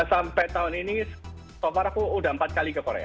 sampai tahun ini so far aku udah empat kali ke korea